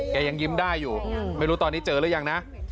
ยังยิ้มได้อยู่ไม่รู้ตอนนี้เจอหรือยังนะ